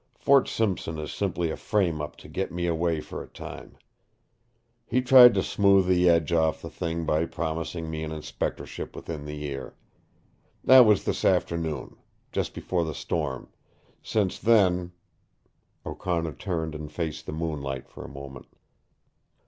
Fort Simpson is simply a frame up to get me away for a time. He tried to smooth the edge off the thing by promising me an inspectorship within the year. That was this afternoon, just before the storm. Since then " O'Connor turned and faced the moonlight for a moment.